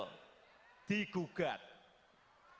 ada nikel ada tembaga ada timah ada batu